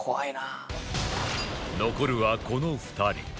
残るはこの２人